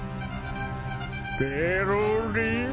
ペロリン。